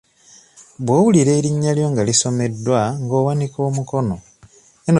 Bw'owulira erinnya lyo nga lisomeddwa nga owanika omukono.